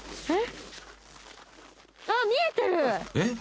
［えっ！？］